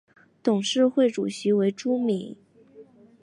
董事会主席为朱敏。